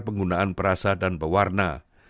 penggunaan perasa dan pewarna